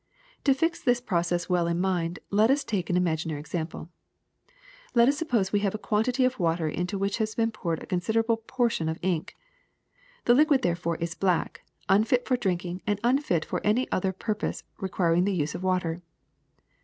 ^^ To fix this process well in mind, let us take an imaginary example. Let us suppose we have a quan tity of water into which has been poured a consider able portion of ink. The liquid therefore is black, unfit for drinking and unfit for any other purpose requiring the use of water.